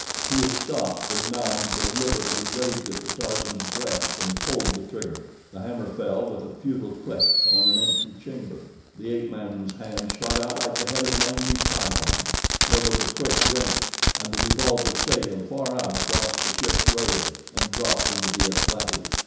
He had stopped, and now he deliberately raised it to Tarzan's breast and pulled the trigger. The hammer fell with a futile click on an empty chamber—the ape man's hand shot out like the head of an angry python; there was a quick wrench, and the revolver sailed far out across the ship's rail, and dropped into the Atlantic.